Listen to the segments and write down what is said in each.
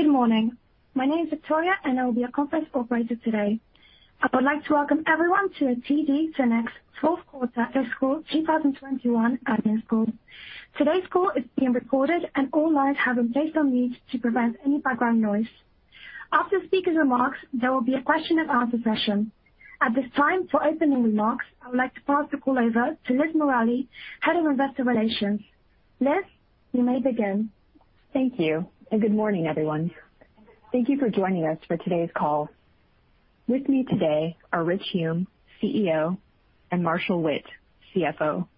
Good morning. My name is Victoria, and I will be your conference operator today. I would like to welcome everyone to a TD SYNNEX fourth quarter fiscal 2021 earnings call. Today's call is being recorded and all lines have been placed on mute to prevent any background noise. After the speaker's remarks, there will be a question and answer session. At this time, for opening remarks, I would like to pass the call over to Liz Morali, Head of Investor Relations. Liz, you may begin. Thank you, and good morning, everyone. Thank you for joining us for today's call. With me today are Rich Hume, CEO, and Marshall Witt, CFO.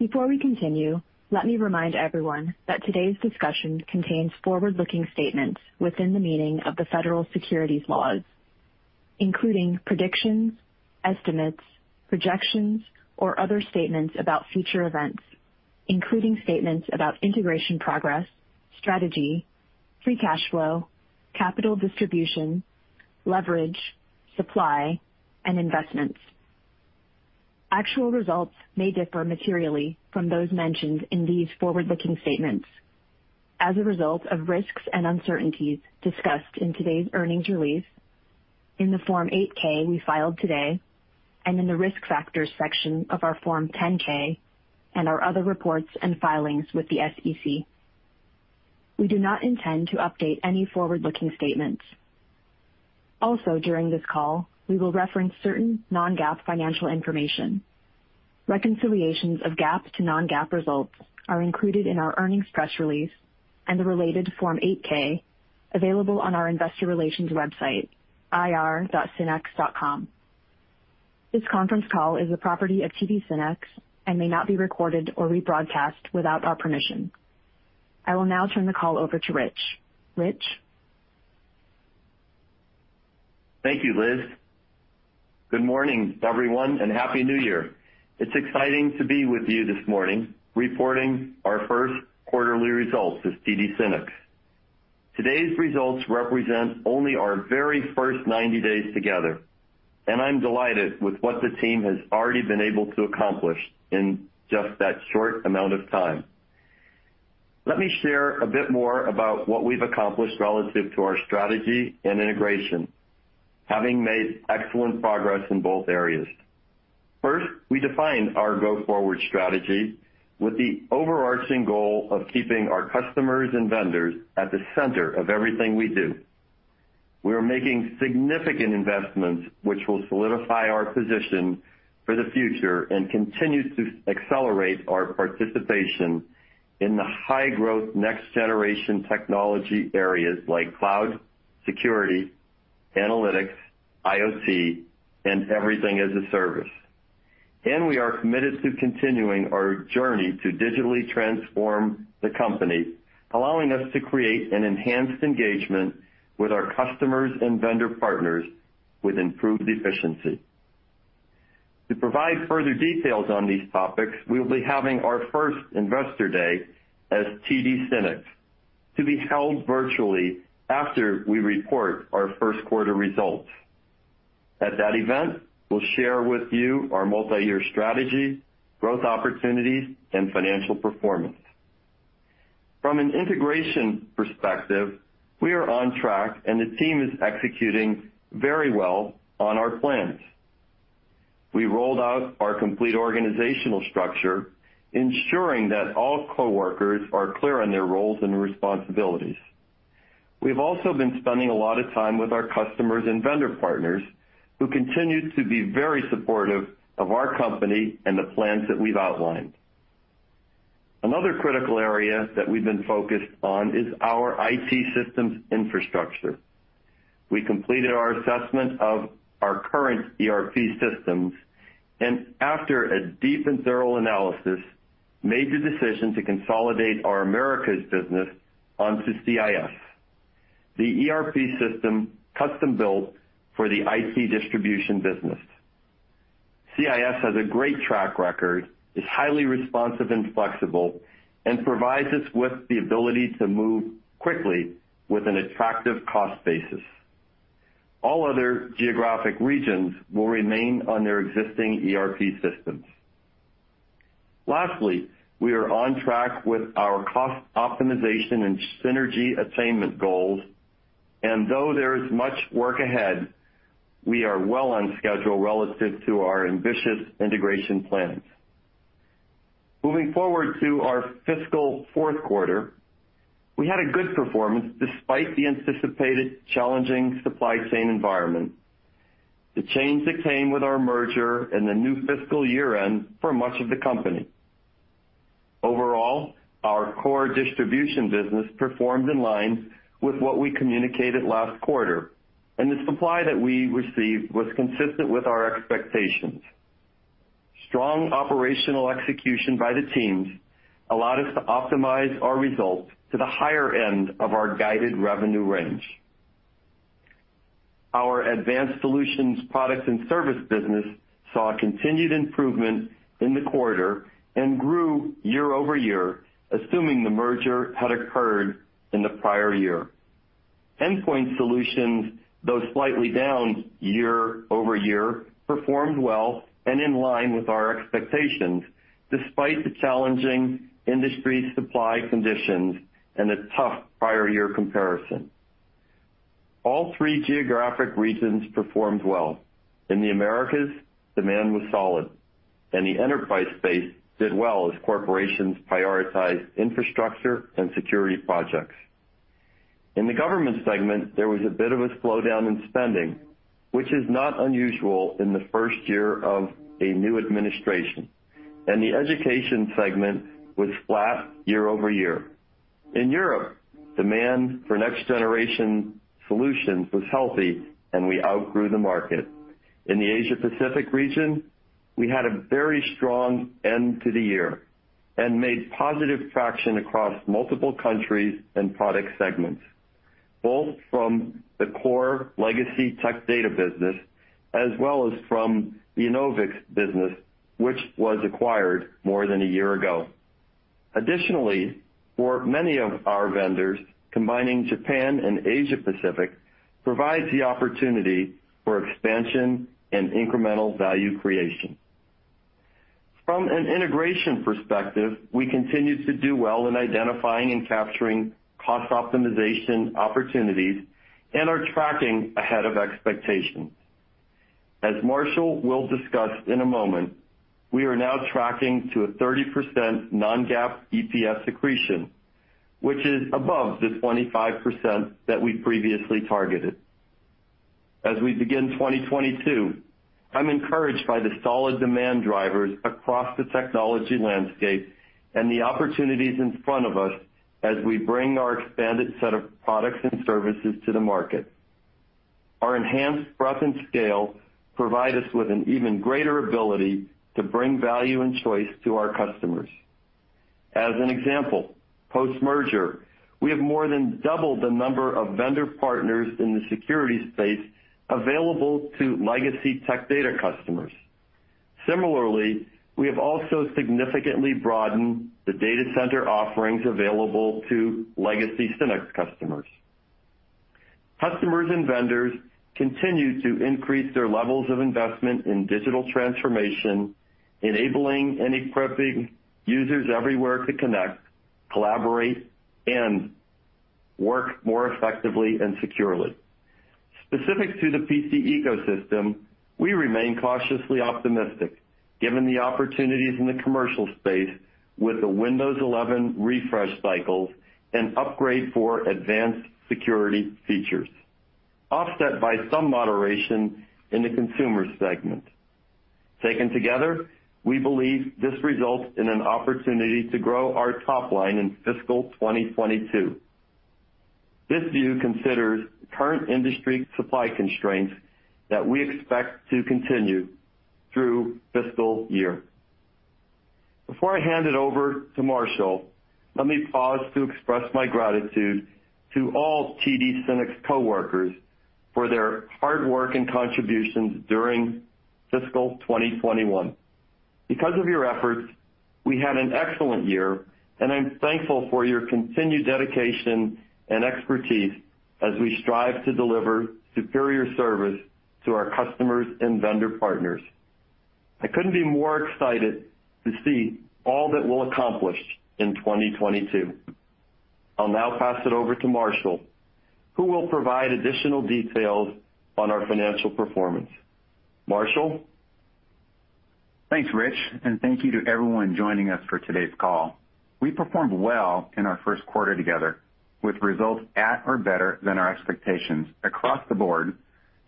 Before we continue, let me remind everyone that today's discussion contains forward-looking statements within the meaning of the federal securities laws, including predictions, estimates, projections, or other statements about future events, including statements about integration progress, strategy, free cash flow, capital distribution, leverage, supply, and investments. Actual results may differ materially from those mentioned in these forward-looking statements as a result of risks and uncertainties discussed in today's earnings release, in the Form 8-K we filed today and in the Risk Factors section of our Form 10-K and our other reports and filings with the SEC. We do not intend to update any forward-looking statements. Also, during this call, we will reference certain non-GAAP financial information. Reconciliations of GAAP to non-GAAP results are included in our earnings press release and the related Form 8-K available on our investor relations website ir.synnex.com. This conference call is a property of TD SYNNEX and may not be recorded or rebroadcast without our permission. I will now turn the call over to Rich. Rich? Thank you, Liz. Good morning, everyone, and happy New Year. It's exciting to be with you this morning, reporting our first quarterly results as TD SYNNEX. Today's results represent only our very first 90 days together, and I'm delighted with what the team has already been able to accomplish in just that short amount of time. Let me share a bit more about what we've accomplished relative to our strategy and integration, having made excellent progress in both areas. First, we defined our go-forward strategy with the overarching goal of keeping our customers and vendors at the center of everything we do. We are making significant investments which will solidify our position for the future and continue to accelerate our participation in the high-growth, next-generation technology areas like cloud, security, analytics, IoT, and everything-as-a-service. We are committed to continuing our journey to digitally transform the company, allowing us to create an enhanced engagement with our customers and vendor partners with improved efficiency. To provide further details on these topics, we will be having our first Investor Day as TD SYNNEX to be held virtually after we report our first quarter results. At that event, we'll share with you our multi-year strategy, growth opportunities and financial performance. From an integration perspective, we are on track, and the team is executing very well on our plans. We rolled out our complete organizational structure, ensuring that all coworkers are clear on their roles and responsibilities. We've also been spending a lot of time with our customers and vendor partners, who continue to be very supportive of our company and the plans that we've outlined. Another critical area that we've been focused on is our IT systems infrastructure. We completed our assessment of our current ERP systems and after a deep and thorough analysis, made the decision to consolidate our Americas business onto CIS, the ERP system custom-built for the IT distribution business. CIS has a great track record, is highly responsive and flexible, and provides us with the ability to move quickly with an attractive cost basis. All other geographic regions will remain on their existing ERP systems. Lastly, we are on track with our cost optimization and synergy attainment goals. Though there is much work ahead, we are well on schedule relative to our ambitious integration plans. Moving forward to our fiscal fourth quarter, we had a good performance despite the anticipated challenging supply chain environment, the change that came with our merger and the new fiscal year-end for much of the company. Overall, our core distribution business performed in line with what we communicated last quarter, and the supply that we received was consistent with our expectations. Strong operational execution by the teams allowed us to optimize our results to the higher end of our guided revenue range. Our Advanced Solutions products and service business saw continued improvement in the quarter and grew year-over-year, assuming the merger had occurred in the prior year. Endpoint Solutions, though slightly down year-over-year, performed well and in line with our expectations despite the challenging industry supply conditions and a tough prior year comparison. All three geographic regions performed well. In the Americas, demand was solid, and the enterprise space did well as corporations prioritized infrastructure and security projects. In the government segment, there was a bit of a slowdown in spending, which is not unusual in the first year of a new administration, and the education segment was flat year-over-year. In Europe, demand for next-generation solutions was healthy, and we outgrew the market. In the Asia Pacific region, we had a very strong end to the year and made positive traction across multiple countries and product segments, both from the core legacy Tech Data business as well as from the Innovix business, which was acquired more than a year ago. Additionally, for many of our vendors, combining Japan and Asia Pacific provides the opportunity for expansion and incremental value creation. From an integration perspective, we continue to do well in identifying and capturing cost optimization opportunities and are tracking ahead of expectations. As Marshall will discuss in a moment, we are now tracking to a 30% non-GAAP EPS accretion, which is above the 25% that we previously targeted. As we begin 2022, I'm encouraged by the solid demand drivers across the technology landscape and the opportunities in front of us as we bring our expanded set of products and services to the market. Our enhanced breadth and scale provide us with an even greater ability to bring value and choice to our customers. As an example, post-merger, we have more than doubled the number of vendor partners in the security space available to legacy Tech Data customers. Similarly, we have also significantly broadened the data center offerings available to legacy SYNNEX customers. Customers and vendors continue to increase their levels of investment in digital transformation, enabling and equipping users everywhere to connect, collaborate, and work more effectively and securely. Specific to the PC ecosystem, we remain cautiously optimistic given the opportunities in the commercial space with the Windows 11 refresh cycles and upgrade for advanced security features, offset by some moderation in the consumer segment. Taken together, we believe this results in an opportunity to grow our top line in fiscal 2022. This view considers current industry supply constraints that we expect to continue through fiscal year. Before I hand it over to Marshall, let me pause to express my gratitude to all TD SYNNEX coworkers for their hard work and contributions during fiscal 2021. Because of your efforts, we had an excellent year, and I'm thankful for your continued dedication and expertise as we strive to deliver superior service to our customers and vendor partners. I couldn't be more excited to see all that we'll accomplish in 2022. I'll now pass it over to Marshall, who will provide additional details on our financial performance. Marshall? Thanks, Rich, and thank you to everyone joining us for today's call. We performed well in our first quarter together with results at or better than our expectations across the board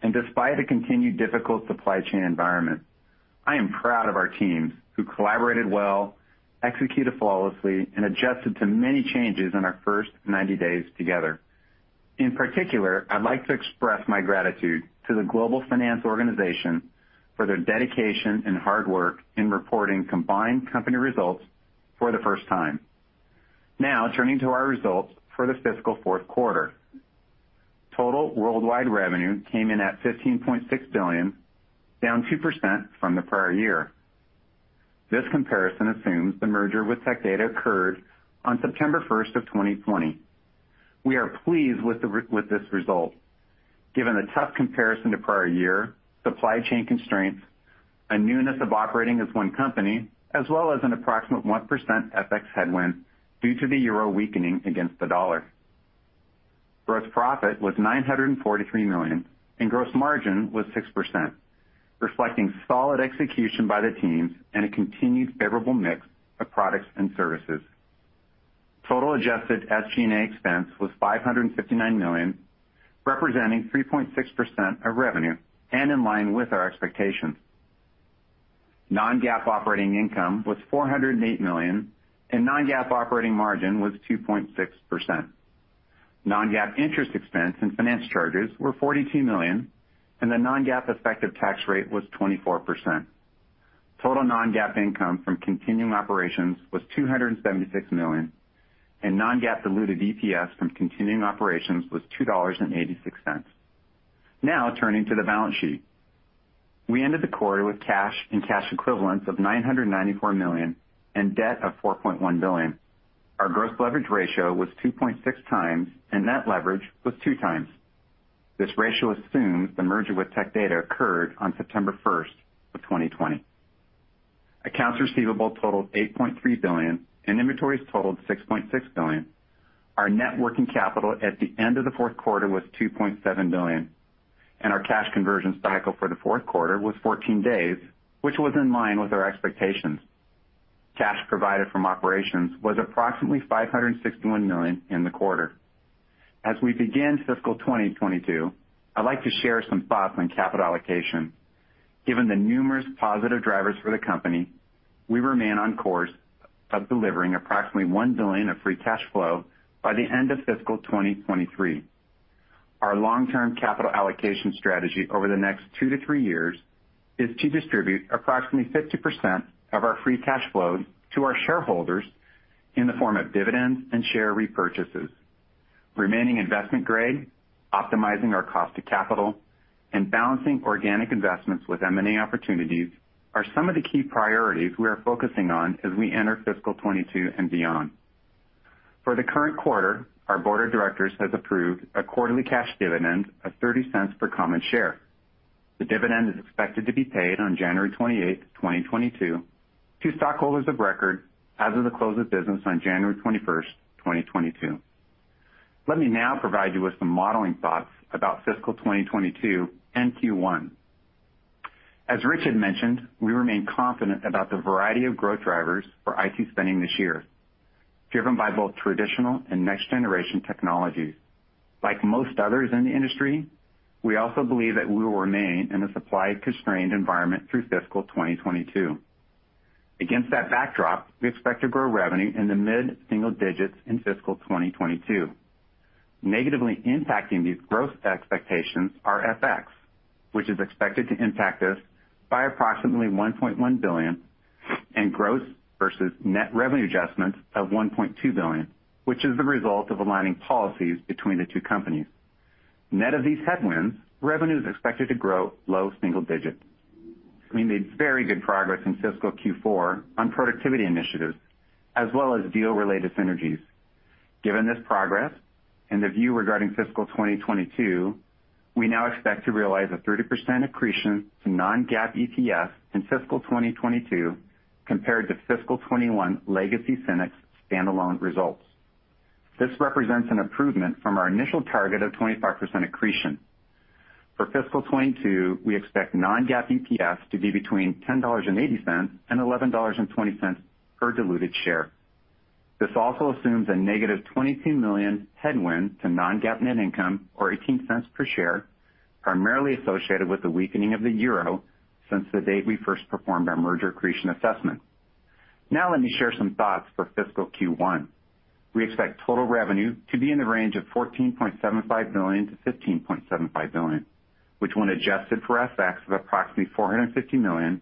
and despite a continued difficult supply chain environment. I am proud of our teams who collaborated well, executed flawlessly, and adjusted to many changes in our first 90 days together. In particular, I'd like to express my gratitude to the global finance organization for their dedication and hard work in reporting combined company results for the first time. Now, turning to our results for the fiscal fourth quarter. Total worldwide revenue came in at $15.6 billion, down 2% from the prior year. This comparison assumes the merger with Tech Data occurred on September 1, 2020. We are pleased with this result given the tough comparison to prior year supply chain constraints, a newness of operating as one company, as well as an approximate 1% FX headwind due to the euro weakening against the dollar. Gross profit was $943 million, and gross margin was 6%, reflecting solid execution by the teams and a continued favorable mix of products and services. Total adjusted SG&A expense was $559 million, representing 3.6% of revenue and in line with our expectations. Non-GAAP operating income was $408 million, and non-GAAP operating margin was 2.6%. Non-GAAP interest expense and finance charges were $42 million, and the non-GAAP effective tax rate was 24%. Total non-GAAP income from continuing operations was $276 million, and non-GAAP diluted EPS from continuing operations was $2.86. Now turning to the balance sheet. We ended the quarter with cash and cash equivalents of $994 million and debt of $4.1 billion. Our gross leverage ratio was 2.6x, and net leverage was 2x. This ratio assumes the merger with Tech Data occurred on September 1st, 2020. Accounts receivable totaled $8.3 billion, and inventories totaled $6.6 billion. Our net working capital at the end of the fourth quarter was $2.7 billion, and our cash conversion cycle for the fourth quarter was 14 days, which was in line with our expectations. Cash provided by operations was approximately $561 million in the quarter. As we begin fiscal 2022, I'd like to share some thoughts on capital allocation. Given the numerous positive drivers for the company, we remain on course of delivering approximately $1 billion of free cash flow by the end of fiscal 2023. Our long-term capital allocation strategy over the next two to three years is to distribute approximately 50% of our free cash flow to our shareholders in the form of dividends and share repurchases. Remaining investment grade, optimizing our cost of capital, and balancing organic investments with M&A opportunities are some of the key priorities we are focusing on as we enter fiscal 2022 and beyond. For the current quarter, our board of directors has approved a quarterly cash dividend of $0.30 per common share. The dividend is expected to be paid on January 28th, 2022, to stockholders of record as of the close of business on January 21st, 2022. Let me now provide you with some modeling thoughts about fiscal 2022 and Q1. As Rich had mentioned, we remain confident about the variety of growth drivers for IT spending this year, driven by both traditional and next-generation technologies. Like most others in the industry, we also believe that we will remain in a supply-constrained environment through fiscal 2022. Against that backdrop, we expect to grow revenue in the mid-single digits in fiscal 2022. Negatively impacting these growth expectations are FX, which is expected to impact us by approximately $1.1 billion, and gross versus net revenue adjustments of $1.2 billion, which is the result of aligning policies between the two companies. Net of these headwinds, revenue is expected to grow low single digits%. We made very good progress in fiscal Q4 on productivity initiatives as well as deal-related synergies. Given this progress and the view regarding fiscal 2022, we now expect to realize a 30% accretion to non-GAAP EPS in fiscal 2022 compared to fiscal 2021 legacy SYNNEX standalone results. This represents an improvement from our initial target of 25% accretion. For fiscal 2022, we expect non-GAAP EPS to be between $10.80 and $11.20 per diluted share. This also assumes a -$22 million headwind to non-GAAP net income, or $0.18 per share, primarily associated with the weakening of the euro since the date we first performed our merger accretion assessment. Now let me share some thoughts for fiscal Q1. We expect total revenue to be in the range of $14.75 billion-$15.75 billion, which when adjusted for FX of approximately $450 million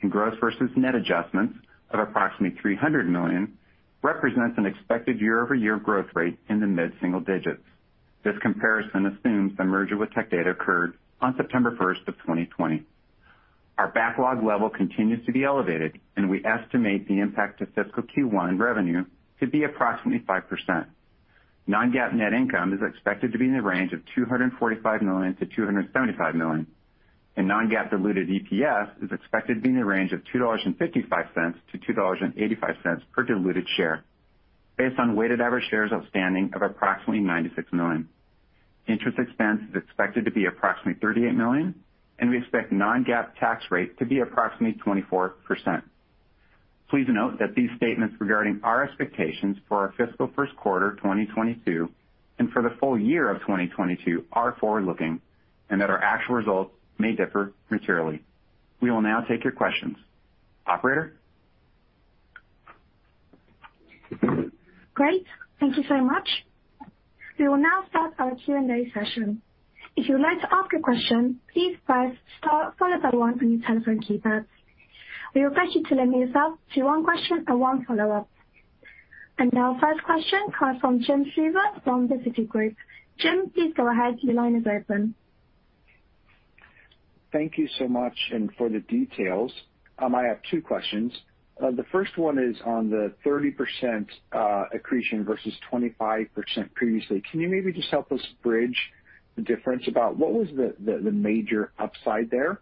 in gross versus net adjustments of approximately $300 million, represents an expected year-over-year growth rate in the mid-single digits. This comparison assumes the merger with Tech Data occurred on September first of 2020. Our backlog level continues to be elevated, and we estimate the impact to fiscal Q1 revenue to be approximately 5%. Non-GAAP net income is expected to be in the range of $245 million-$275 million, and non-GAAP diluted EPS is expected to be in the range of $2.55-$2.85 per diluted share based on weighted average shares outstanding of approximately 96 million. Interest expense is expected to be approximately $38 million, and we expect non-GAAP tax rate to be approximately 24%. Please note that these statements regarding our expectations for our fiscal first quarter 2022 and for the full year of 2022 are forward-looking and that our actual results may differ materially. We will now take your questions. Operator? Great. Thank you so much. We will now start our Q&A session. If you would like to ask a question, please press star followed by one on your telephone keypad. We request you to limit yourself to one question and one follow-up. Our first question comes from Jim Suva from Citigroup. Jim, please go ahead. Your line is open. Thank you so much for the details. I have two questions. The first one is on the 30%, accretion versus 25% previously. Can you maybe just help us bridge the difference about what was the major upside there?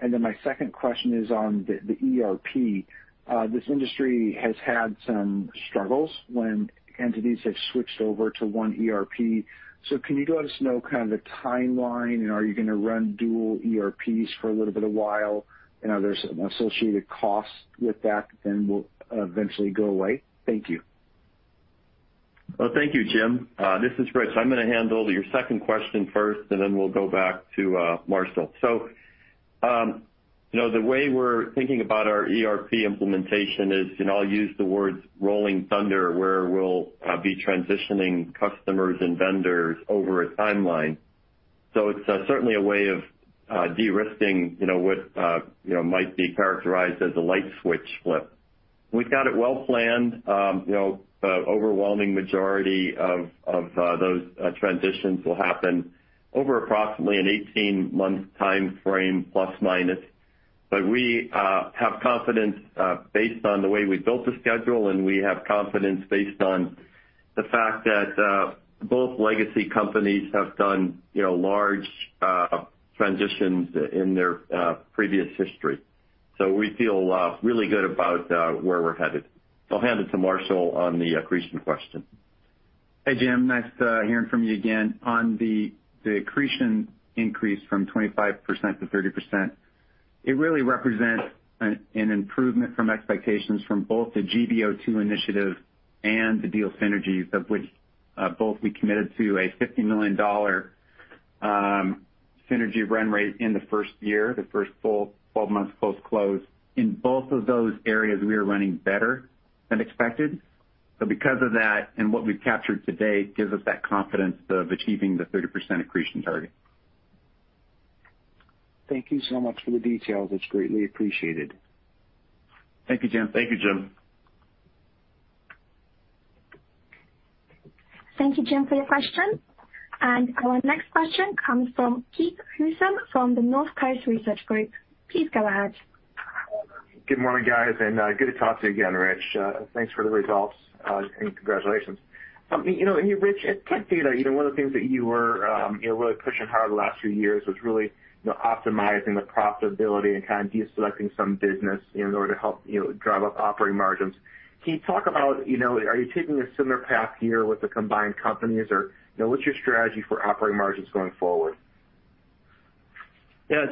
My second question is on the ERP. This industry has had some struggles when entities have switched over to one ERP. Can you let us know kind of the timeline? Are you gonna run dual ERPs for a little bit of while? Are there some associated costs with that, then will eventually go away? Thank you. Well, thank you, Jim. This is Rich Hume. I'm gonna handle your second question first, and then we'll go back to Marshall Witt. You know, the way we're thinking about our ERP implementation is, and I'll use the words rolling thunder, where we'll be transitioning customers and vendors over a timeline. It's certainly a way of de-risking, you know, what you know might be characterized as a light switch flip. We've got it well planned. You know, the overwhelming majority of those transitions will happen over approximately an 18-month timeframe, plus or minus. We have confidence based on the way we built the schedule, and we have confidence based on the fact that both legacy companies have done large transitions in their previous history. We feel really good about where we're headed. I'll hand it to Marshall on the accretion question. Hey, Jim. Nice hearing from you again. On the accretion increase from 25% to 30%, it really represents an improvement from expectations from both the GBO2 initiative and the deal synergies of which both we committed to a $50 million synergy run rate in the first year, the first full 12 months post-close. In both of those areas, we are running better than expected. Because of that, and what we've captured to date gives us that confidence of achieving the 30% accretion target. Thank you so much for the details. It's greatly appreciated. Thank you, Jim. Thank you, Jim. Thank you, Jim, for your question. Our next question comes from Keith Housum from Northcoast Research. Please go ahead. Good morning, guys, and good to talk to you again, Rich. Thanks for the results and congratulations. You know, Rich, at Tech Data, you know, one of the things that you were, you know, really pushing hard the last few years was really, you know, optimizing the profitability and kind of deselecting some business in order to help, you know, drive up operating margins. Can you talk about, you know, are you taking a similar path here with the combined companies or, you know, what's your strategy for operating margins going forward? Yeah.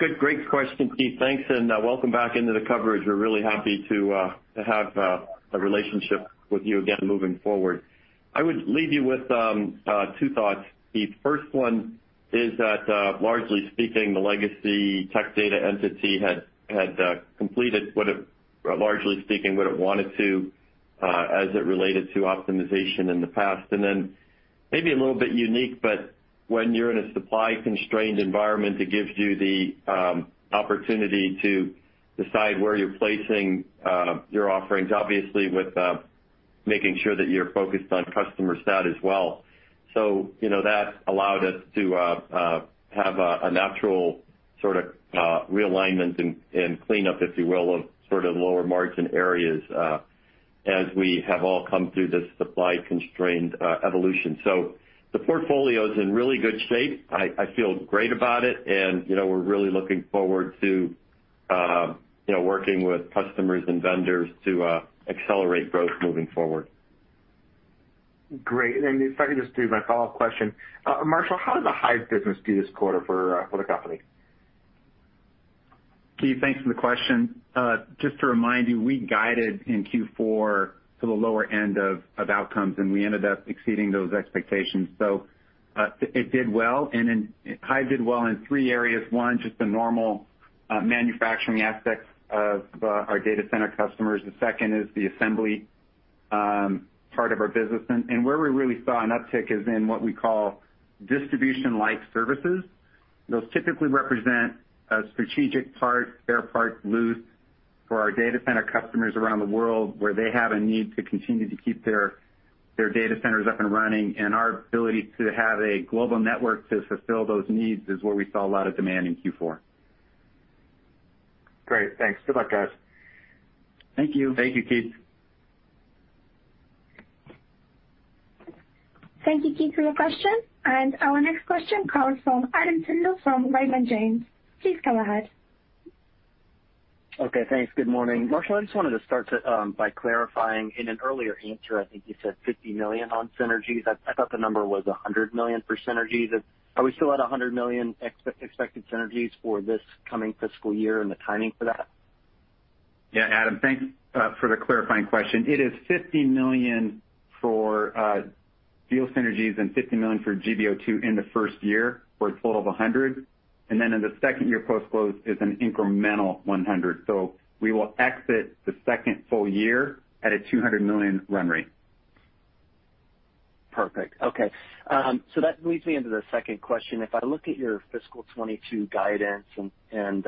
Good. Great question, Keith. Thanks, and welcome back into the coverage. We're really happy to have a relationship with you again moving forward. I would leave you with two thoughts. The first one is that largely speaking, the legacy Tech Data entity had completed, largely speaking, what it wanted to as it related to optimization in the past. Maybe a little bit unique, but when you're in a supply-constrained environment, it gives you the opportunity to decide where you're placing your offerings, obviously, with making sure that you're focused on customer sat as well. You know, that allowed us to have a natural sort of realignment and cleanup, if you will, of sort of lower margin areas, as we have all come through this supply-constrained evolution. The portfolio is in really good shape. I feel great about it, and, you know, we're really looking forward to, you know, working with customers and vendors to accelerate growth moving forward. Great. If I could just do my follow-up question. Marshall, how did the Hyve business do this quarter for the company? Keith, thanks for the question. Just to remind you, we guided in Q4 to the lower end of outcomes, and we ended up exceeding those expectations. It did well, and Hyve did well in three areas. One, just the normal manufacturing aspects of our data center customers. The second is the assembly part of our business. Where we really saw an uptick is in what we call distribution-like services. Those typically represent a strategic part, spare parts, loose, for our data center customers around the world, where they have a need to continue to keep their data centers up and running. Our ability to have a global network to fulfill those needs is where we saw a lot of demand in Q4. Great. Thanks. Good luck, guys. Thank you. Thank you, Keith. Thank you, Keith, for your question. Our next question comes from Adam Tindle from Raymond James. Please go ahead. Okay. Thanks. Good morning. Marshall, I just wanted to start by clarifying in an earlier answer. I think you said $50 million on synergies. I thought the number was $100 million for synergies. Are we still at $100 million expected synergies for this coming fiscal year and the timing for that? Yeah. Adam, thanks for the clarifying question. It is $50 million for deal synergies and $50 million for GBO2 in the first year for a total of $100 million. In the second year post-close is an incremental $100 million. We will exit the second full year at a $200 million run rate. Perfect. Okay. So that leads me into the second question. If I look at your fiscal 2022 guidance, and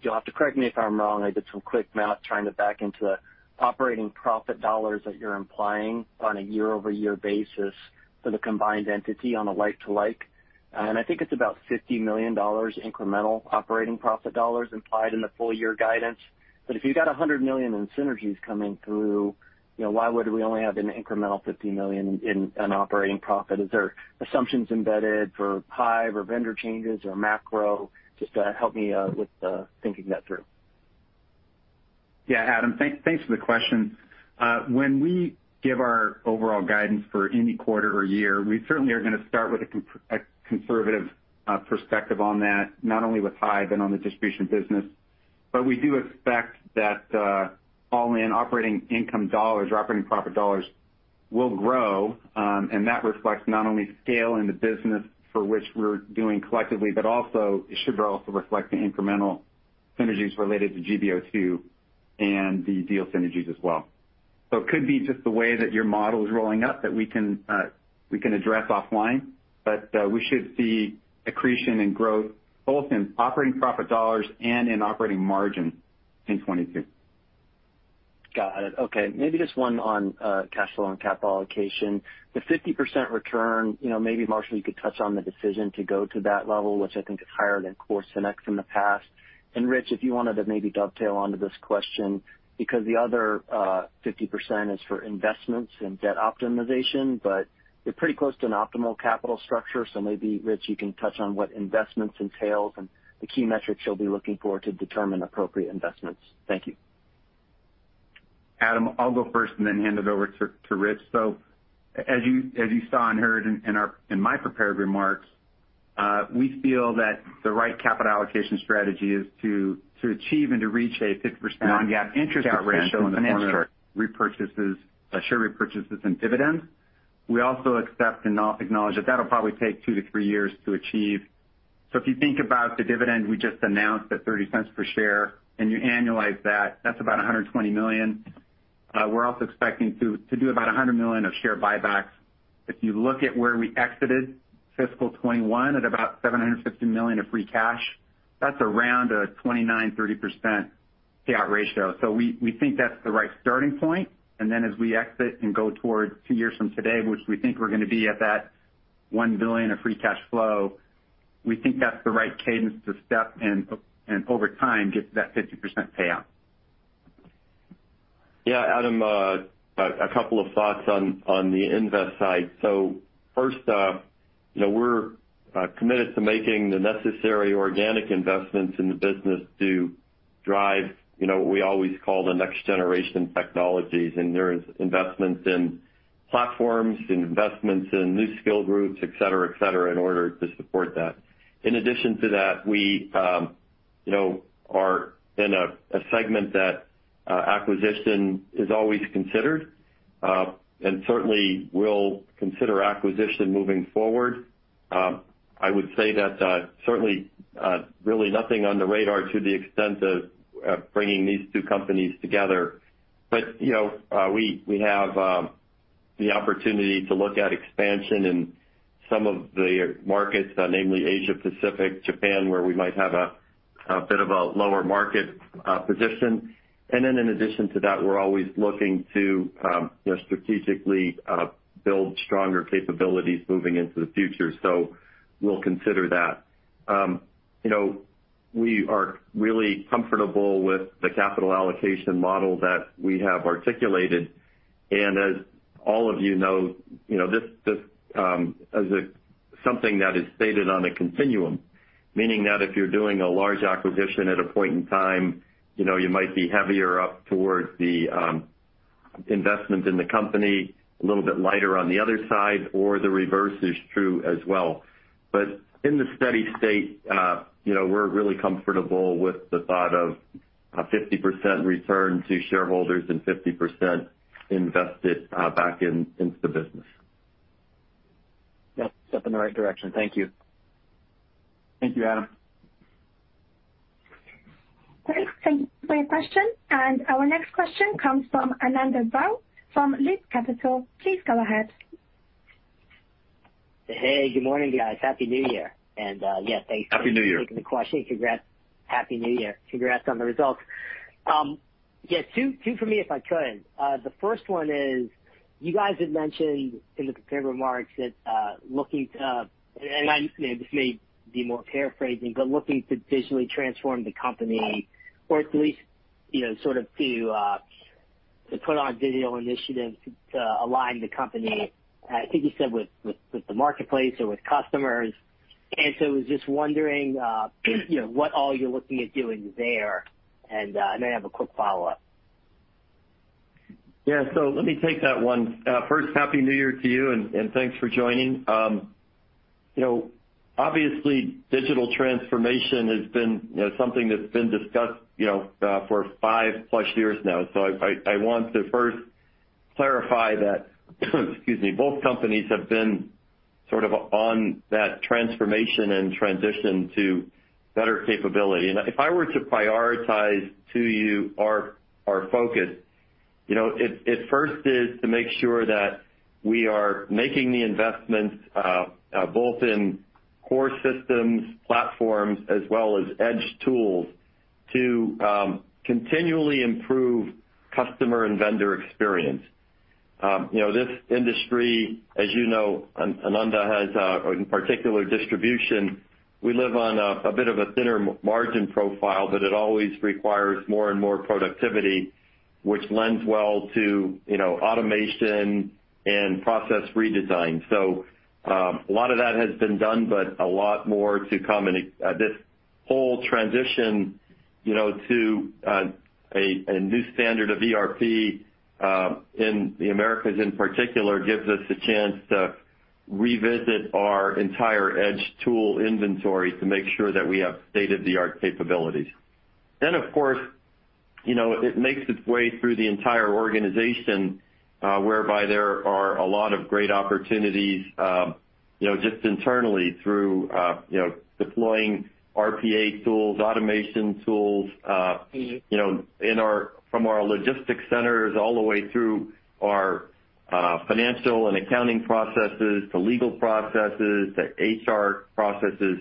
you'll have to correct me if I'm wrong, I did some quick math trying to back into operating profit dollars that you're implying on a year-over-year basis for the combined entity on a like-for-like. I think it's about $50 million incremental operating profit dollars implied in the full year guidance. If you got $100 million in synergies coming through, you know, why would we only have an incremental $50 million in operating profit? Is there assumptions embedded for Hyve or vendor changes or macro? Just help me with thinking that through. Yeah, Adam, thanks for the question. When we give our overall guidance for any quarter or year, we certainly are gonna start with a conservative perspective on that, not only with Hyve and on the distribution business, but we do expect that all in operating income dollars or operating profit dollars will grow, and that reflects not only scaling the business for which we're doing collectively, but also it should also reflect the incremental synergies related to GBO2 and the deal synergies as well. It could be just the way that your model is rolling up that we can address offline. We should see accretion and growth both in operating profit dollars and in operating margin in 2022. Got it. Okay, maybe just one on cash flow and capital allocation. The 50% return, you know, maybe Marshall, you could touch on the decision to go to that level, which I think is higher than Core SYNNEX in the past. Rich, if you wanted to maybe dovetail onto this question, because the other 50% is for investments and debt optimization, but you're pretty close to an optimal capital structure. Maybe, Rich, you can touch on what investments entails and the key metrics you'll be looking for to determine appropriate investments. Thank you. Adam, I'll go first and then hand it over to Rich. As you saw and heard in my prepared remarks, we feel that the right capital allocation strategy is to achieve and to reach a 50% payout ratio in the form of repurchases, share repurchases and dividends. We also accept and also acknowledge that that'll probably take two to three years to achieve. If you think about the dividend we just announced at 30 cents per share, and you annualize that's about $120 million. We're also expecting to do about $100 million of share buybacks. If you look at where we exited fiscal 2021 at about $750 million of free cash, that's around a 29%-30% payout ratio. We think that's the right starting point. As we exit and go towards two years from today, which we think we're gonna be at that $1 billion of free cash flow, we think that's the right cadence to step up and over time, get to that 50% payout. Yeah, Adam, a couple of thoughts on the invest side. First, you know, we're committed to making the necessary organic investments in the business to drive, you know, what we always call the next generation technologies. There is investments in platforms, investments in new skill groups, et cetera, in order to support that. In addition to that, we, you know, are in a segment that acquisition is always considered, and certainly we'll consider acquisition moving forward. I would say that, certainly, really nothing on the radar to the extent of bringing these two companies together. You know, we have the opportunity to look at expansion in some of the markets, namely Asia-Pacific, Japan, where we might have a bit of a lower market position. In addition to that, we're always looking to, you know, strategically, build stronger capabilities moving into the future. We'll consider that. You know, we are really comfortable with the capital allocation model that we have articulated. As all of you know, you know, this, as something that is stated on a continuum, meaning that if you're doing a large acquisition at a point in time, you know, you might be heavier up towards the, investment in the company, a little bit lighter on the other side, or the reverse is true as well. In the steady state, you know, we're really comfortable with the thought of a 50% return to shareholders and 50% invested, back into the business. Yep. Step in the right direction. Thank you. Thank you, Adam. Great. Thank you for your question. Our next question comes from Ananda Baruah from Loop Capital. Please go ahead. Hey, good morning, guys. Happy New Year. Yeah, thanks for- Happy New Year. Taking the question. Congrats. Happy New Year. Congrats on the results. Yeah, two for me, if I could. The first one is, you guys had mentioned in the prepared remarks that looking to digitally transform the company or at least, you know, sort of to put on various initiatives to align the company, I think you said with the marketplace or with customers. I was just wondering, you know, what all you're looking at doing there. I may have a quick follow-up. Yeah. Let me take that one. First, Happy New Year to you, and thanks for joining. You know, obviously digital transformation has been, you know, something that's been discussed, you know, for five-plus years now. I want to first clarify that, excuse me, both companies have been sort of on that transformation and transition to better capability. If I were to prioritize to you our focus, you know, it first is to make sure that we are making the investments both in core systems, platforms, as well as edge tools to continually improve customer and vendor experience. You know, this industry, as you know, Ananda has in particular distribution. We live on a bit of a thinner margin profile, but it always requires more and more productivity, which lends well to, you know, automation and process redesign. A lot of that has been done, but a lot more to come. This whole transition, you know, to a new standard of ERP in the Americas in particular, gives us a chance to revisit our entire edge tool inventory to make sure that we have state-of-the-art capabilities. Of course, you know, it makes its way through the entire organization, whereby there are a lot of great opportunities, you know, just internally through deploying RPA tools, automation tools. Mm-hmm. You know, from our logistics centers all the way through our financial and accounting processes to legal processes to HR processes.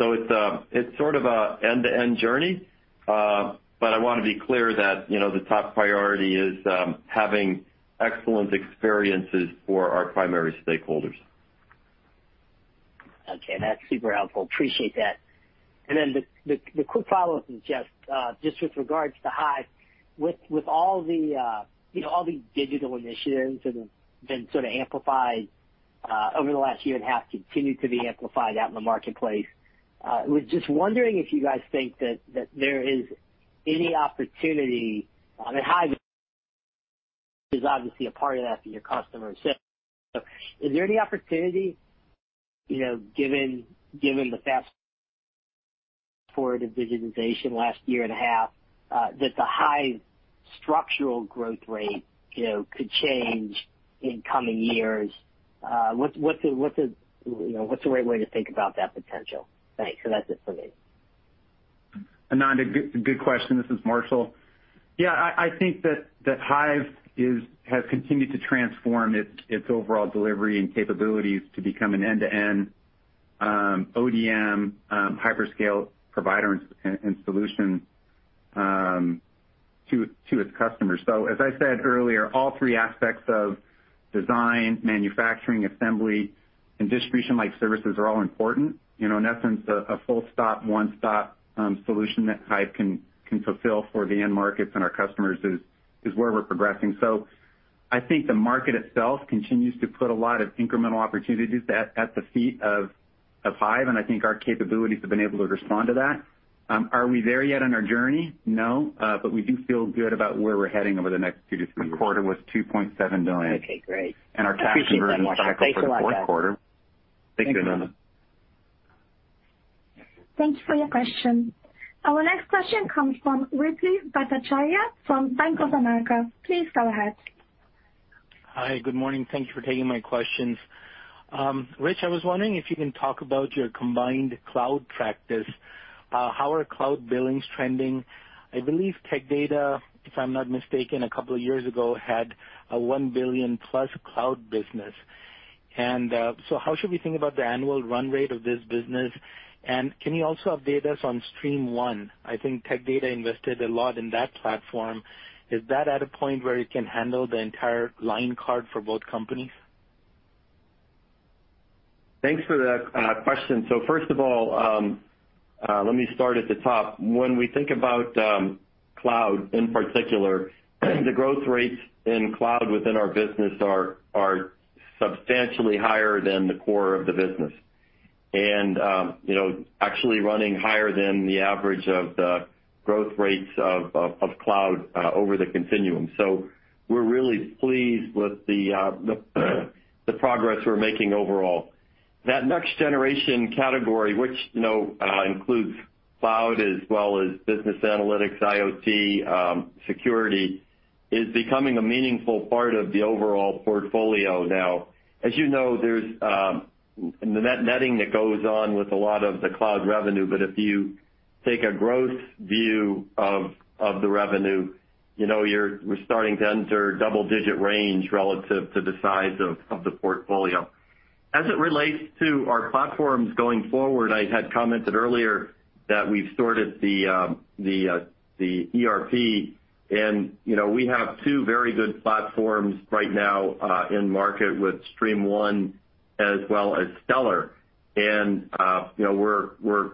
It's sort of an end-to-end journey. I wanna be clear that, you know, the top priority is having excellent experiences for our primary stakeholders. Okay. That's super helpful. Appreciate that. The quick follow-up is just with regards to Hyve, with all the, you know, all the digital initiatives that have been sort of amplified over the last year and a half, continue to be amplified out in the marketplace. Was just wondering if you guys think that there is any opportunity. I mean, Hyve is obviously a part of that for your customers. Is there any opportunity, you know, given the fast forward of digitization last year and a half, that the Hyve structural growth rate, you know, could change in coming years? What's the right way to think about that potential? Thanks. That's it for me. Ananda, good question. This is Marshall. Yeah, I think that Hyve has continued to transform its overall delivery and capabilities to become an end-to-end ODM hyperscale provider and solution to its customers. As I said earlier, all three aspects of design, manufacturing, assembly, and distribution-like services are all important. You know, in essence, a full-stop, one-stop solution that Hyve can fulfill for the end markets and our customers is where we're progressing. I think the market itself continues to put a lot of incremental opportunities at the feet of Hyve, and I think our capabilities have been able to respond to that. Are we there yet on our journey? No. We do feel good about where we're heading over the next two to three years. Okay, great. Our cash conversion cycle for the fourth quarter. Thank you, Ananda. Thank you. Thank you for your question. Our next question comes from Ruplu Bhattacharya from Bank of America. Please go ahead. Hi. Good morning. Thank you for taking my questions. Rich, I was wondering if you can talk about your combined cloud practice. How are cloud billings trending? I believe Tech Data, if I'm not mistaken, a couple years ago had a $1 billion-plus cloud business. How should we think about the annual run rate of this business? Can you also update us on StreamOne? I think Tech Data invested a lot in that platform. Is that at a point where it can handle the entire line card for both companies? Thanks for that, question. First of all, let me start at the top. When we think about cloud in particular, the growth rates in cloud within our business are substantially higher than the core of the business. You know, actually running higher than the average of the growth rates of cloud over the continuum. We're really pleased with the progress we're making overall. That next generation category, which, you know, includes cloud as well as business analytics, IoT, security, is becoming a meaningful part of the overall portfolio now. As you know, there's the net netting that goes on with a lot of the cloud revenue, but if you take a growth view of the revenue, you know, we're starting to enter double-digit range relative to the size of the portfolio. As it relates to our platforms going forward, I had commented earlier that we've sorted the ERP, and you know, we have two very good platforms right now in market with StreamOne as well as Stellr. You know, we're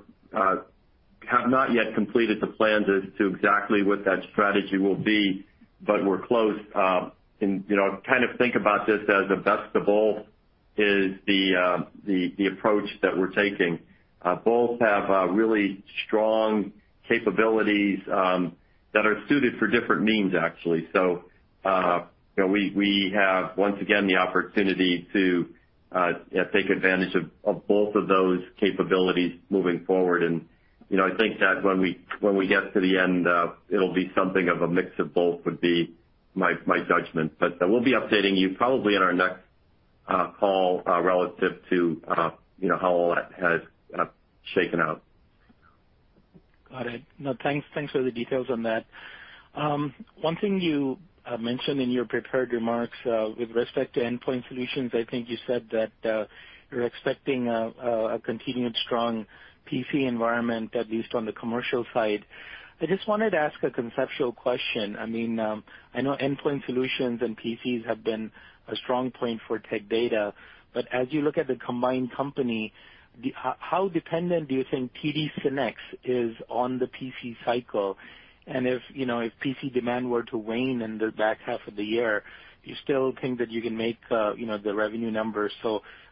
have not yet completed the plans as to exactly what that strategy will be, but we're close. You know, kind of think about this as the best of both is the approach that we're taking. Both have really strong capabilities that are suited for different means, actually. You know, we have, once again, the opportunity to take advantage of both of those capabilities moving forward. You know, I think that when we get to the end, it'll be something of a mix of both would be my judgment. We'll be updating you probably in our next call relative to, you know, how all that has shaken out. Got it. No, thanks for the details on that. One thing you mentioned in your prepared remarks with respect to Endpoint Solutions, I think you said that you're expecting a continued strong PC environment, at least on the commercial side. I just wanted to ask a conceptual question. I mean, I know Endpoint Solutions and PCs have been a strong point for Tech Data, but as you look at the combined company, how dependent do you think TD SYNNEX is on the PC cycle? And if, you know, if PC demand were to wane in the back half of the year, do you still think that you can make, you know, the revenue numbers?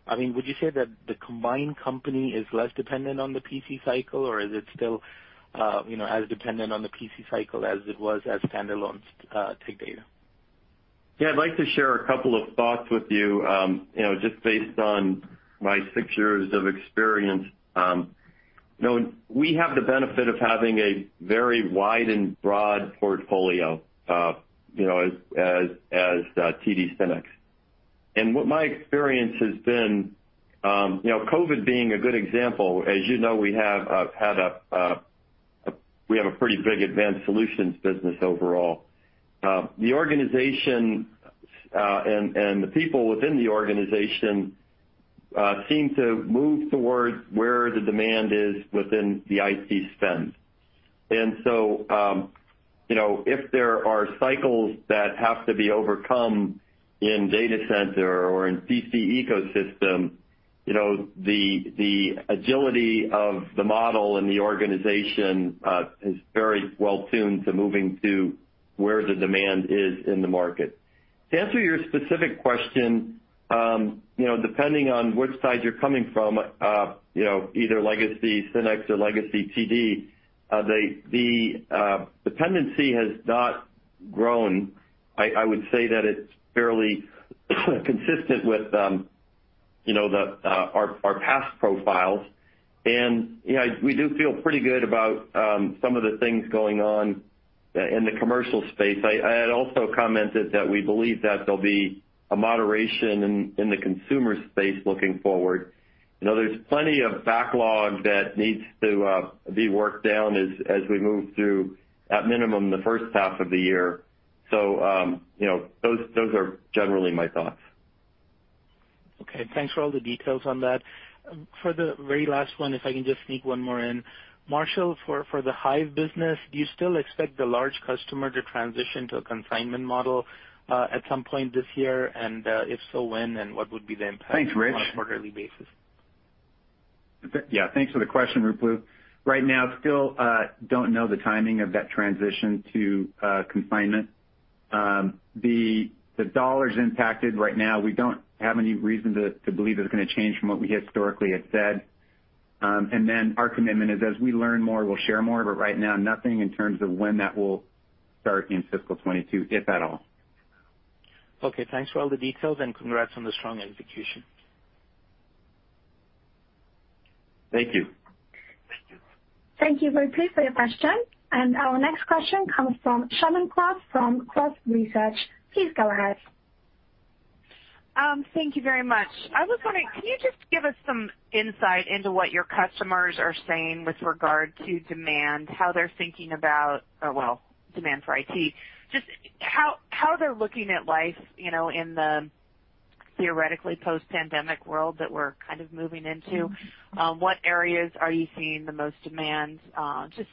I mean, would you say that the combined company is less dependent on the PC cycle, or is it still, you know, as dependent on the PC cycle as it was as standalones, Tech Data? Yeah. I'd like to share a couple of thoughts with you know, just based on my six years of experience. We have the benefit of having a very wide and broad portfolio, you know, as TD SYNNEX. What my experience has been, you know, COVID being a good example, as you know, we have had a pretty big Advanced Solutions business overall. The organization and the people within the organization seem to move towards where the demand is within the IT spend. You know, if there are cycles that have to be overcome in data center or in PC ecosystem, you know, the agility of the model and the organization is very well tuned to moving to where the demand is in the market. To answer your specific question, you know, depending on which side you're coming from, you know, either legacy SYNNEX or legacy TD, the tendency has not grown. I would say that it's fairly consistent with, you know, the, our past profiles. You know, we do feel pretty good about some of the things going on in the commercial space. I had also commented that we believe that there'll be a moderation in the consumer space looking forward. You know, there's plenty of backlog that needs to be worked down as we move through, at minimum, the first half of the year. You know, those are generally my thoughts. Okay. Thanks for all the details on that. For the very last one, if I can just sneak one more in. Marshall, for the Hyve business, do you still expect the large customer to transition to a consignment model at some point this year? If so, when and what would be the impact? Thanks, Rich. on a quarterly basis? Yeah. Thanks for the question, Ruplu. Right now, we still don't know the timing of that transition to consignment. The dollars impacted right now, we don't have any reason to believe it's gonna change from what we historically had said. Our commitment is as we learn more, we'll share more, but right now, nothing in terms of when that will start in fiscal 2022, if at all. Okay. Thanks for all the details, and congrats on the strong execution. Thank you. Thank you. Thank you very much for your question, and our next question comes from Shannon Cross from Cross Research. Please go ahead. Thank you very much. I was wondering, can you just give us some insight into what your customers are saying with regard to demand, how they're thinking about, well, demand for IT. Just how they're looking at life, you know, in the theoretically post-pandemic world that we're kind of moving into. What areas are you seeing the most demand, just,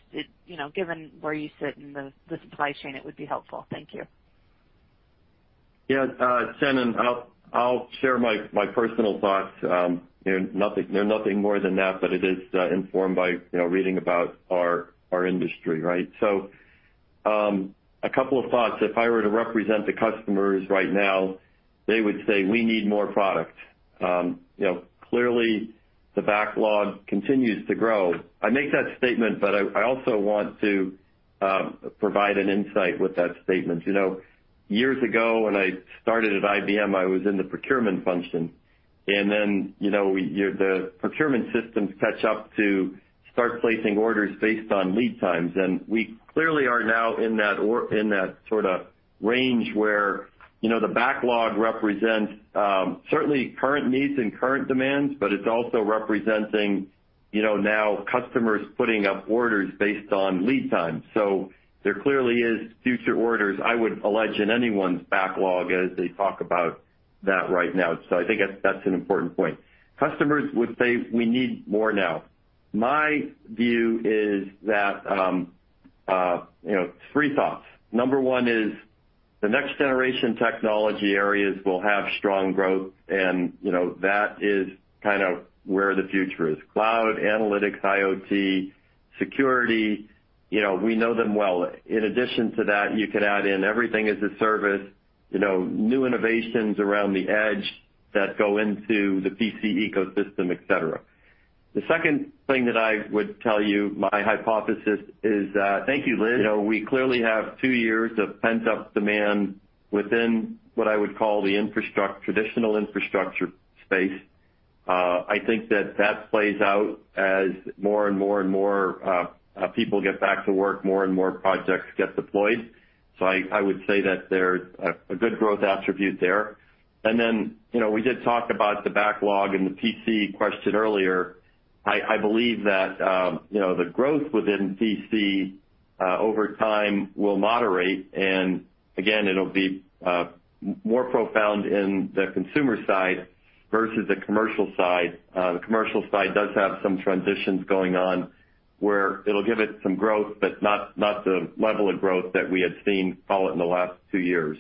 you know, given where you sit in the supply chain, it would be helpful. Thank you. Yeah. Shannon, I'll share my personal thoughts. They're nothing more than that, but it is informed by, you know, reading about our industry, right? A couple of thoughts. If I were to represent the customers right now, they would say, "We need more product." You know, clearly the backlog continues to grow. I make that statement, but I also want to provide an insight with that statement. You know, years ago, when I started at IBM, I was in the procurement function. You know, the procurement systems catch up to start placing orders based on lead times. We clearly are now in that or in that sorta range where, you know, the backlog represents certainly current needs and current demands, but it's also representing, you know, now customers putting up orders based on lead time. So there clearly is future orders, I would allege, in anyone's backlog as they talk about that right now. So I think that's an important point. Customers would say, "We need more now." My view is that, you know, three thoughts. Number one is the next generation technology areas will have strong growth and, you know, that is kind of where the future is. Cloud, analytics, IoT, security, you know, we know them well. In addition to that, you could add in everything as a service, you know, new innovations around the edge that go into the PC ecosystem, et cetera. The second thing that I would tell you, my hypothesis is, thank you, Liz. You know, we clearly have two years of pent-up demand within what I would call the traditional infrastructure space. I think that plays out as more and more people get back to work, more and more projects get deployed. I would say that there's a good growth attribute there. Then, you know, we did talk about the backlog and the PC question earlier. I believe that, you know, the growth within PC over time will moderate, and again, it'll be more profound in the consumer side versus the commercial side. The commercial side does have some transitions going on, where it'll give it some growth, but not the level of growth that we had seen call it in the last two years.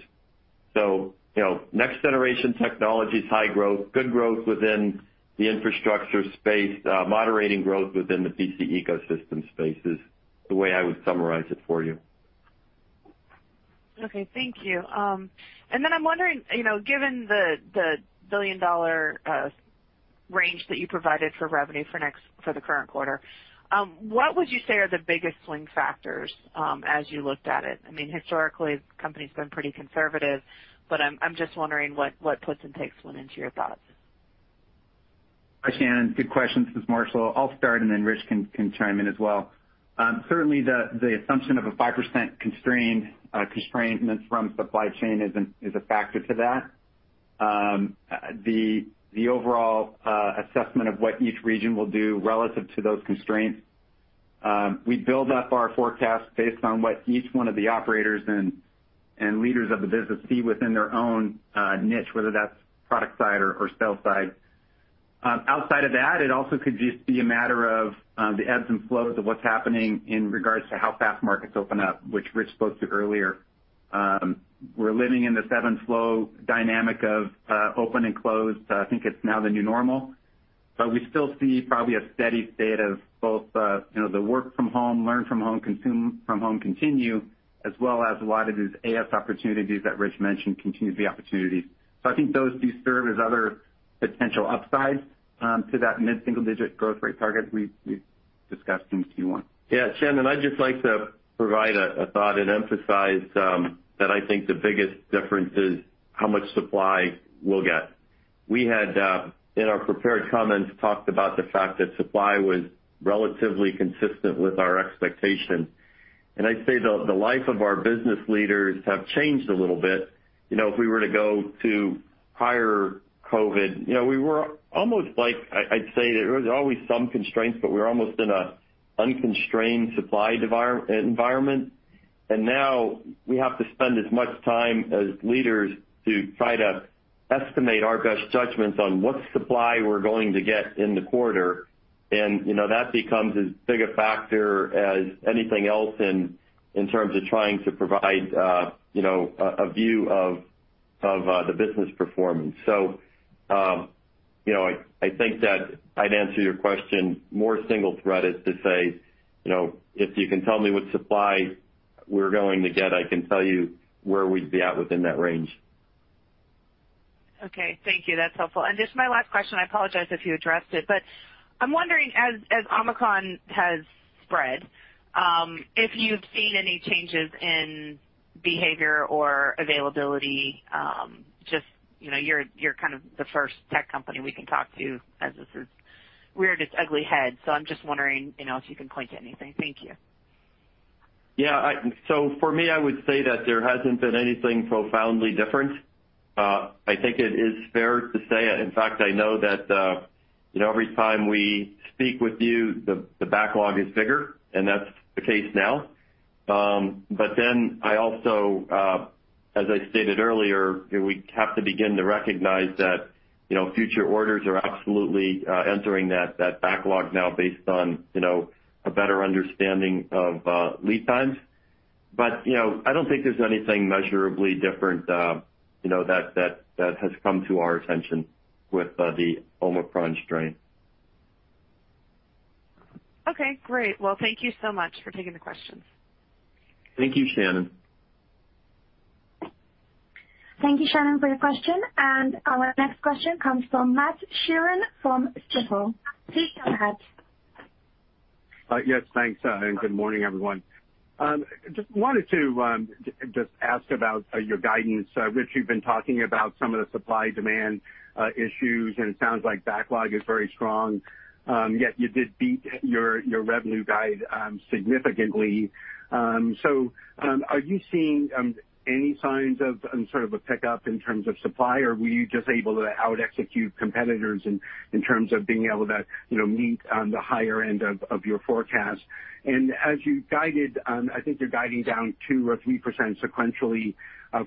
You know, next generation technologies, high growth, good growth within the infrastructure space, moderating growth within the PC ecosystem space is the way I would summarize it for you. Okay. Thank you. I'm wondering, you know, given the billion-dollar range that you provided for revenue for the current quarter, what would you say are the biggest swing factors as you looked at it? I mean, historically, the company's been pretty conservative, but I'm just wondering what puts and takes went into your thoughts. Hi, Shannon. Good question. This is Marshall. I'll start, and then Rich can chime in as well. Certainly the assumption of a 5% constraint from supply chain is a factor to that. The overall assessment of what each region will do relative to those constraints, we build up our forecast based on what each one of the operators and leaders of the business see within their own niche, whether that's product side or sales side. Outside of that, it also could just be a matter of the ebbs and flows of what's happening in regards to how fast markets open up, which Rich spoke to earlier. We're living in the ebb and flow dynamic of open and closed. I think it's now the new normal. We still see probably a steady state of both, you know, the work from home, learn from home, consume from home continue, as well as a lot of these AS opportunities that Rich mentioned continues the opportunities. I think those do serve as other potential upsides, to that mid-single-digit growth rate target we've discussed in Q1. Yeah, Shannon, I'd just like to provide a thought and emphasize that I think the biggest difference is how much supply we'll get. We had in our prepared comments talked about the fact that supply was relatively consistent with our expectations. I'd say the life of our business leaders have changed a little bit. You know, if we were to go to higher COVID, you know, we were almost like I'd say there was always some constraints, but we're almost in a unconstrained supply environment. Now we have to spend as much time as leaders to try to estimate our best judgments on what supply we're going to get in the quarter. You know, that becomes as big a factor as anything else in terms of trying to provide a view of the business performance. You know, I think that I'd answer your question more single-threaded to say, you know, "If you can tell me what supply we're going to get, I can tell you where we'd be at within that range. Okay. Thank you. That's helpful. Just my last question, I apologize if you addressed it. I'm wondering as Omicron has spread, if you've seen any changes in behavior or availability, just, you know, you're kind of the first tech company we can talk to as this has reared its ugly head. I'm just wondering, you know, if you can point to anything. Thank you. For me, I would say that there hasn't been anything profoundly different. I think it is fair to say, in fact, I know that, you know, every time we speak with you, the backlog is bigger, and that's the case now. I also, as I stated earlier, we have to begin to recognize that, you know, future orders are absolutely entering that backlog now based on, you know, a better understanding of lead times. I don't think there's anything measurably different, you know, that has come to our attention with the Omicron strain. Okay. Great. Well, thank you so much for taking the questions. Thank you, Shannon. Thank you, Shannon, for your question. Our next question comes from Matt Sheerin from Stifel. Please go ahead. Yes, thanks. And good morning, everyone. Just wanted to ask about your guidance. Rich, you've been talking about some of the supply and demand issues, and it sounds like backlog is very strong. Yet you did beat your revenue guide significantly. So, are you seeing any signs of sort of a pickup in terms of supply, or were you just able to out execute competitors in terms of being able to, you know, meet the higher end of your forecast? As you guided, I think you're guiding down 2% or 3% sequentially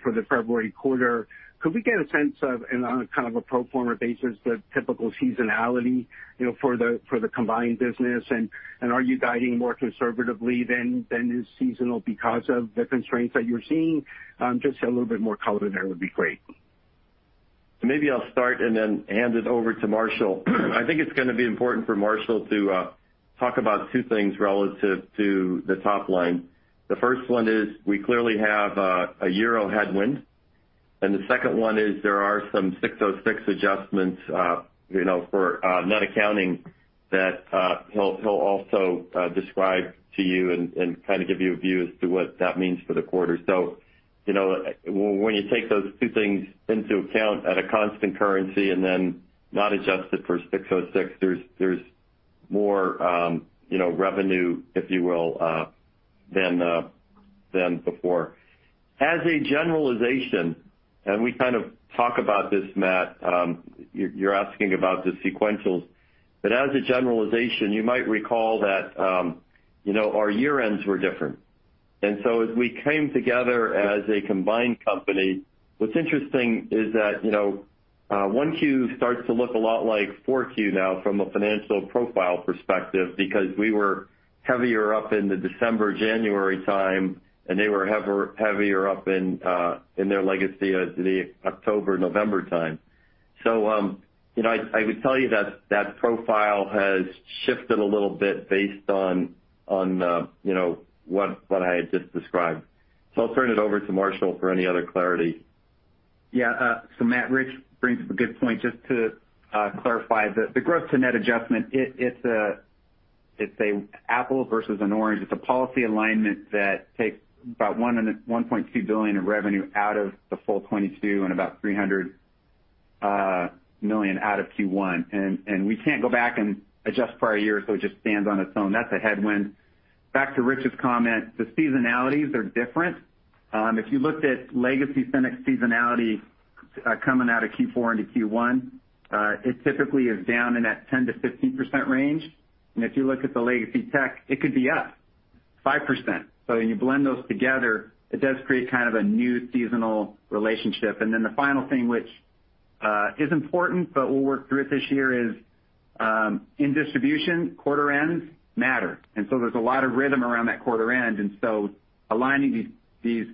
for the February quarter. Could we get a sense of, on kind of a pro forma basis, the typical seasonality, you know, for the combined business? Are you guiding more conservatively than is seasonal because of the constraints that you're seeing? Just a little bit more color there would be great. Maybe I'll start and then hand it over to Marshall. I think it's gonna be important for Marshall to talk about two things relative to the top line. The first one is we clearly have a euro headwind, and the second one is there are some 606 adjustments, you know, for net accounting that he'll also describe to you and kinda give you a view as to what that means for the quarter. You know, when you take those two things into account at a constant currency and then not adjusted for six oh six, there's more revenue, if you will, than before. As a generalization, and we kind of talk about this, Matt, you're asking about the sequentials. As a generalization, you might recall that, you know, our year ends were different. As we came together as a combined company, what's interesting is that, you know, one Q starts to look a lot like four Q now from a financial profile perspective because we were heavier up in the December-January time, and they were heavier up in their legacy as the October-November time. I would tell you that that profile has shifted a little bit based on, you know, what I had just described. I'll turn it over to Marshall for any other clarity. Matt, Rich brings up a good point. Just to clarify the growth to net adjustment. It's apples to oranges. It's a policy alignment that takes about $1.2 billion of revenue out of the full $22 billion and about $300 million out of Q1. We can't go back and adjust for our year, so it just stands on its own. That's a headwind. Back to Rich's comment, the seasonalities are different. If you looked at legacy SYNNEX seasonality, coming out of Q4 into Q1, it typically is down in that 10%-15% range. If you look at the legacy Tech Data, it could be up 5%. When you blend those together, it does create kind of a new seasonal relationship. Then the final thing, which is important, but we'll work through it this year, is in distribution, quarter ends matter. There's a lot of rhythm around that quarter end. Aligning these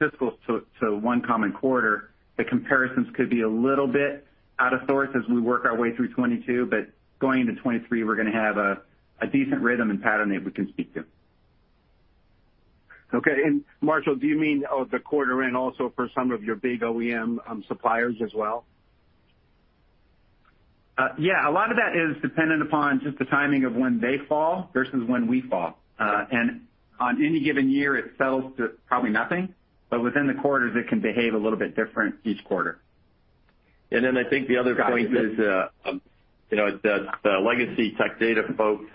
fiscals to one common quarter, the comparisons could be a little bit out of sorts as we work our way through 2022. But going into 2023, we're gonna have a decent rhythm and pattern that we can speak to. Okay. Marshall, do you mean, oh, the quarter end also for some of your big OEM suppliers as well? A lot of that is dependent upon just the timing of when they fall versus when we fall. On any given year, it settles to probably nothing, but within the quarters, it can behave a little bit different each quarter. I think the other point is, you know, the legacy Tech Data folks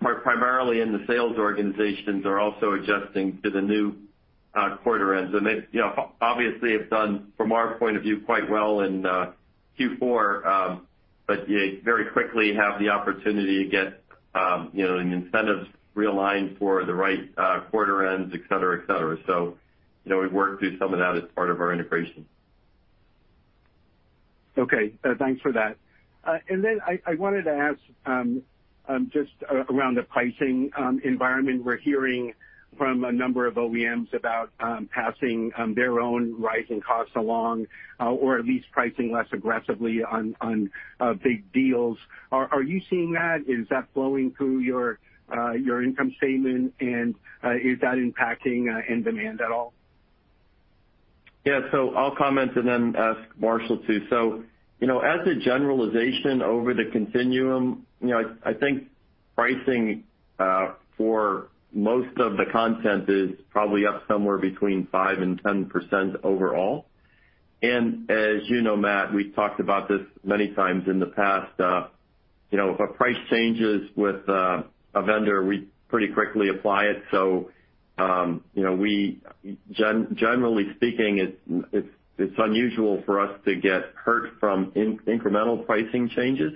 primarily in the sales organizations are also adjusting to the new quarter ends. They, you know, obviously have done, from our point of view, quite well in Q4. You very quickly have the opportunity to get, you know, incentives realigned for the right quarter ends, et cetera, et cetera. You know, we've worked through some of that as part of our integration. Okay. Thanks for that. I wanted to ask just around the pricing environment. We're hearing from a number of OEMs about passing their own rising costs along or at least pricing less aggressively on big deals. Are you seeing that? Is that flowing through your income statement? Is that impacting end demand at all? Yeah. I'll comment and then ask Marshall too. You know, as a generalization over the continuum, you know, I think pricing for most of the content is probably up somewhere between 5%-10% overall. As you know, Matt, we've talked about this many times in the past, you know, if a price changes with a vendor, we pretty quickly apply it. Generally speaking, it's unusual for us to get hurt from incremental pricing changes,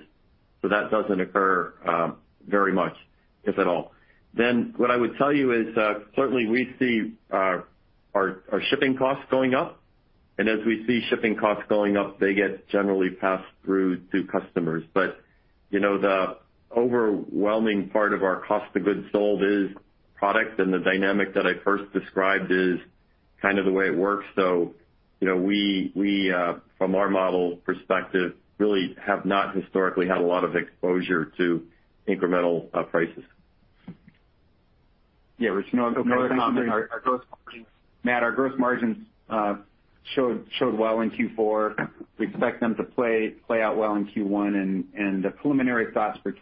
so that doesn't occur very much, if at all. What I would tell you is that certainly we see our shipping costs going up. As we see shipping costs going up, they get generally passed through to customers. You know, the overwhelming part of our cost of goods sold is product, and the dynamic that I first described is kind of the way it works. You know, we from our model perspective, really have not historically had a lot of exposure to incremental prices. Yeah, Rich, no other comment. Matt, our gross margins showed well in Q4. Yeah. We expect them to play out well in Q1, and the preliminary thoughts for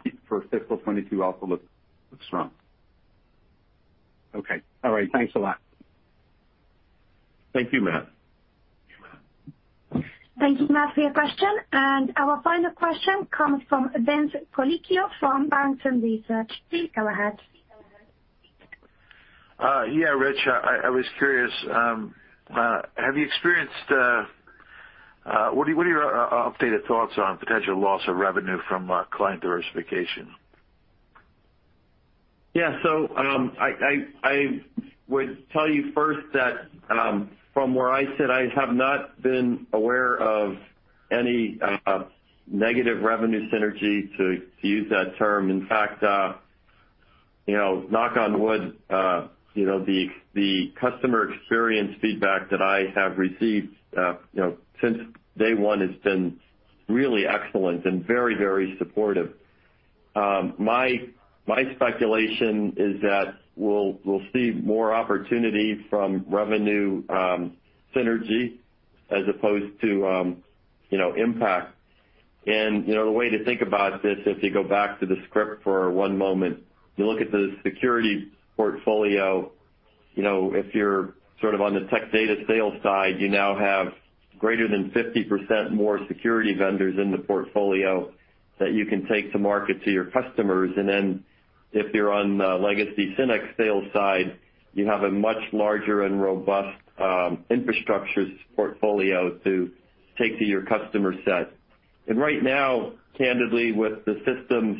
fiscal 2022 also look strong. Okay. All right. Thanks a lot. Thank you, Matt. Thank you, Matt, for your question. Our final question comes from Vince Colicchio from Barrington Research. Please go ahead. Yeah, Rich, I was curious, what are your updated thoughts on potential loss of revenue from client diversification? I would tell you first that from where I sit, I have not been aware of any negative revenue synergy, to use that term. In fact, you know, knock on wood, you know, the customer experience feedback that I have received, you know, since day one has been really excellent and very, very supportive. My speculation is that we'll see more opportunity from revenue synergy as opposed to, you know, impact. You know, the way to think about this, if you go back to the script for one moment, you look at the security portfolio. You know, if you're sort of on the Tech Data sales side, you now have greater than 50% more security vendors in the portfolio that you can take to market to your customers. If you're on the legacy SYNNEX sales side, you have a much larger and robust infrastructure portfolio to take to your customer set. Right now, candidly, with the systems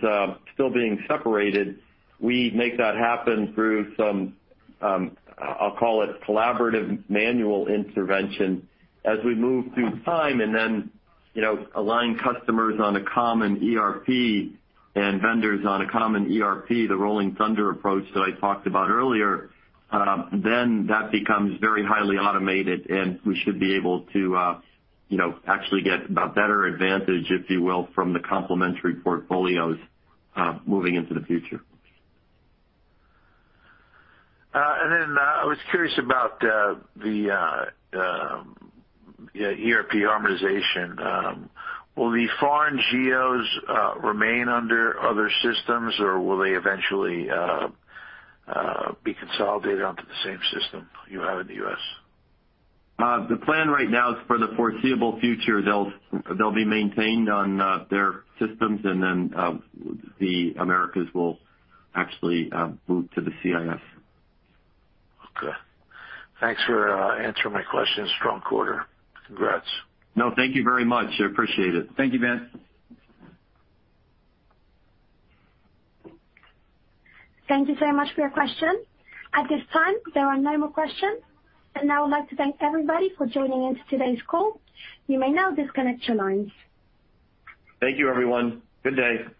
still being separated, we make that happen through some I'll call it collaborative manual intervention. As we move through time and then you know align customers on a common ERP and vendors on a common ERP, the rolling thunder approach that I talked about earlier then that becomes very highly automated, and we should be able to you know actually get the better advantage, if you will, from the complementary portfolios moving into the future. I was curious about the ERP harmonization. Will the foreign geos remain under other systems, or will they eventually be consolidated onto the same system you have in the U.S.? The plan right now is for the foreseeable future, they'll be maintained on their systems, and then the Americas will actually move to the CIS. Okay. Thanks for answering my questions. Strong quarter. Congrats. No, thank you very much. I appreciate it. Thank you, Vince. Thank you so much for your question. At this time, there are no more questions, and I would like to thank everybody for joining us on today's call. You may now disconnect your lines. Thank you everyone. Good day.